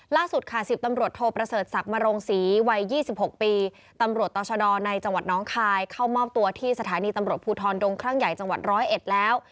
ล่าสุดค่ะ๑๐ตำรวจโทประเสริฐศักดิ์มโรงศรีวัย๒๖ปีตำรวจต่อชะดอในจังหวัดน้องคายเข้ามอบตัวที่สถานีตำรวจภูทรดงครั่งใหญ่จังหวัด๑๐๑แล้ว